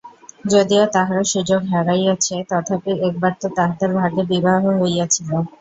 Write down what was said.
যদিও তাহারা সুযোগ হারাইয়াছে, তথাপি একবার তো তাহাদের ভাগ্যে বিবাহ হইয়াছিল।